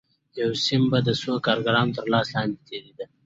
یو سیم به د څو کارګرانو تر لاس لاندې تېرېده